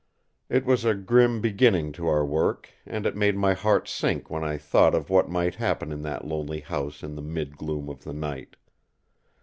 It was a grim beginning to our work; and it made my heart sink when I thought of what might happen in that lonely house in the mid gloom of the night.